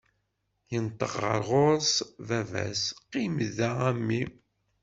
Yenṭeq ɣer ɣur-s baba-s: Qim-d a mmi.